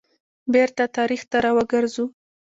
بیرته تاریخ ته را وګرځو.